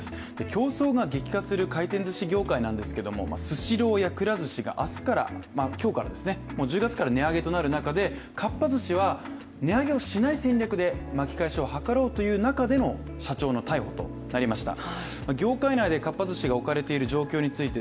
競争が激化する回転ずし業界なんですけれどもスシローやくら寿司が１０月から値上げとなる中でかっぱ寿司は値上げをしない戦略で巻き返しを図ろうという中での社長の逮捕となりました。